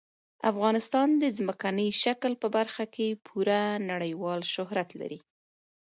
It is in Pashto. افغانستان د ځمکني شکل په برخه کې پوره نړیوال شهرت لري.